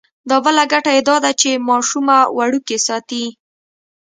دا بله ګټه یې دا ده چې ماشومه وړوکې ساتي.